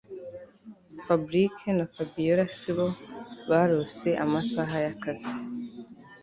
Fabric na Fabiora sibo barose amasaha yakazi